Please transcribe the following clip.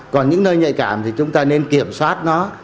còn những nơi nhạy cảm thì chúng ta nên kiểm soát nó